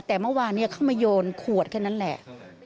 แต่เมื่อวานเข้ามาโยนขวดแค่นั้นแหละ